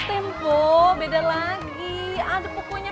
tempo beda lagi ada bukunya